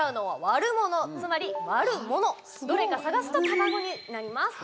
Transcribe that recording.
どれか探すと卵になります。